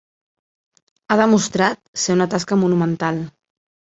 Ha demostrat ser una tasca monumental.